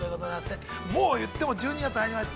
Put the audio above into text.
もう言っても、１２月に入りました。